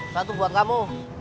satu buat kamu